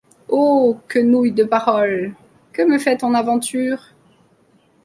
Oh ! quenouille de paroles ! que me fait ton aventure ?